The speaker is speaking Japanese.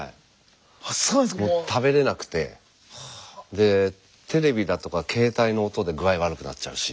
でテレビだとか携帯の音で具合悪くなっちゃうし。